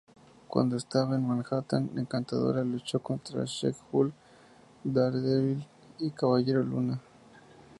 Cuando estaba en Manhattan, Encantadora luchó contra She-Hulk, Daredevil y Caballero Luna.